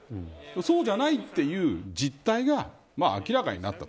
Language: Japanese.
そうじゃないという実態が明らかになった。